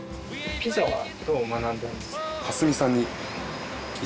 ピザはどう学んだんですか？